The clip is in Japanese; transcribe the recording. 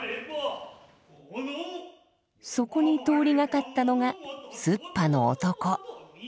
そこに通りがかったのがすっぱの男。